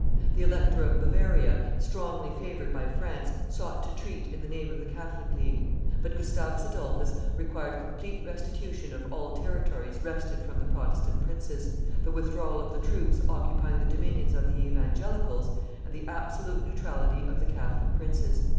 The Elector of Bavaria, strongly favored by France, sought to treat in the name of the Catholic League; but Gustavus Adolphus required complete restitution of all territories wrested from the Protestant princes, the withdrawal of the troops occupying the dominions of the evangelicals, and the absolute neutrality of the Catholic princes.